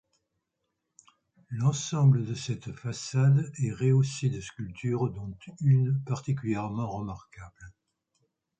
L'ensemble de cette façade est rehaussée de sculptures dont une particulièrement remarquable.